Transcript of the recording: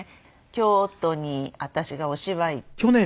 京都に私がお芝居行っていて。